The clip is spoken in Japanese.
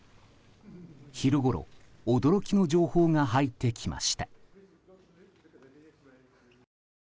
昼ごろ、驚きの情報が入ってきました。